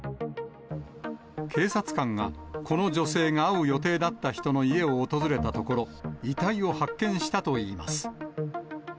警察官が、この女性が会う予定だった人の家を訪れたところ、遺体を発見したといいます。